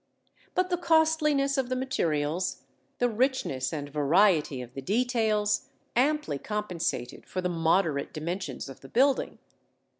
But the costliness of the materials, the richness and variety of the details, amply compensated for the moderate dimensions of the building.